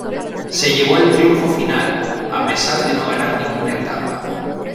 Se llevó el triunfo final, a pesar de no ganar ninguna etapa.